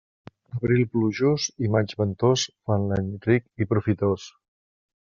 Abril plujós i maig ventós fan l'any ric i profitós.